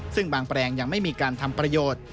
ซึ่งบางแปลงยังไม่มีการทำประโยชน์